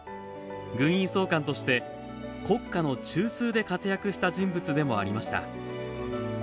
軍医総監として、国家の中枢で活躍した人物でもありました。